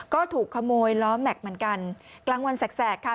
ก็ถูกขโมยล้อแม็กซ์เหมือนกันกลางวันแสกค่ะ